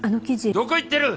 どこ行ってる！